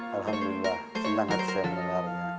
alhamdulillah senang hati saya mendengarnya